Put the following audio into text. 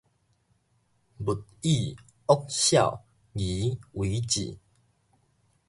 勿以惡小而為之